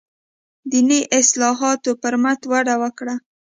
دیني اصلاحاتو پر مټ وده وکړه.